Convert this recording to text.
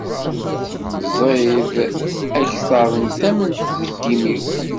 Ẓid akter n tament deg yimi-w.